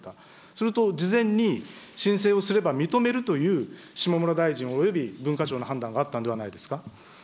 すると事前に、申請をすれば認めるという下村大臣および文化庁の判断があったんではないですか。